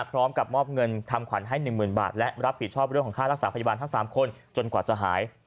พร้อมกับมอบเงินทำขวัญให้๑๐๐๐บาทและรับผิดชอบเรื่องของค่ารักษาพยาบาลทั้ง๓คนจนกว่าจะหาย